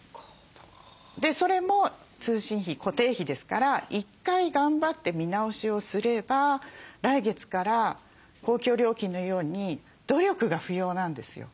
それも通信費固定費ですから１回頑張って見直しをすれば来月から公共料金のように努力が不要なんですよ。